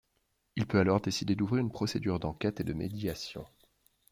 Il peut alors décider d'ouvrir une procédure d'enquête et de médiation.